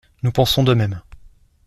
Nous pensons de même.